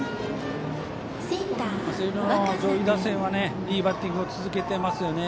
星稜の上位打線はいいバッティングを続けていますね。